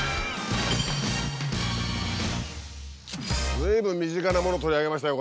随分身近なもの取り上げましたよ